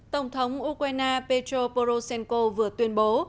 tổng thống ukraine petro poroshenko vừa tuyên bố